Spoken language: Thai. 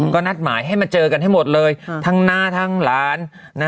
ก็นัดหมายให้มาเจอกันให้หมดเลยทั้งน้าทั้งหลาน